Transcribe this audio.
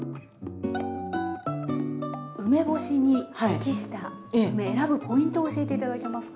梅干しに適した梅選ぶポイントを教えて頂けますか？